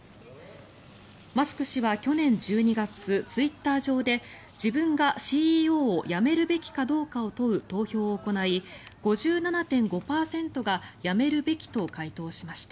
マスク氏は去年１２月ツイッター上で自分がＣＥＯを辞めるべきかどうかを問う投票を行い５７．５％が辞めるべきと回答しました。